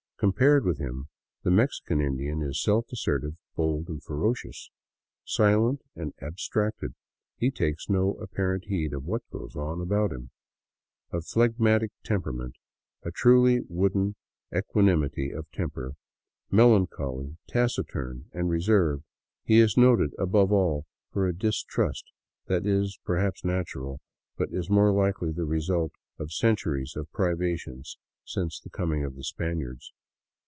Compared with him, the Mexican Indian is self assertive, bold, and ferocious. Silent and ab stracted, he takes no apparent heed of what goes on about him. Of phlegmatic temperament, a truly wooden equanimity of temper, melan choly, taciturn, and reserved, he is noted above all for a distrust that is perhaps natural, but is more likely the result of centuries of privations since the coming of the Spaniards.